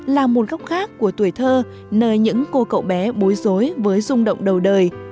là một góc khác của tuổi thơ nơi những cô cậu bé bối rối với rung động đầu đời